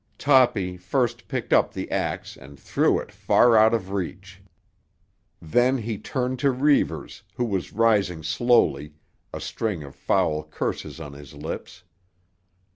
Toppy first picked up the axe and threw it far out of reach. Then he turned to Reivers, who was rising slowly, a string of foul curses on his lips.